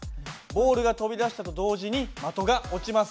ボールが飛び出したと同時に的が落ちます。